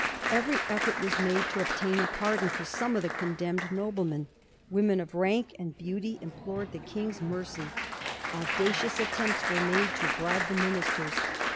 Every effort was made to obtain a pardon for some of the condemned noble men. Women of rank and beauty implored the King's mercy. Audacious attempts were made to bribe the ministers.